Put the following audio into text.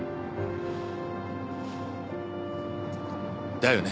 だよね。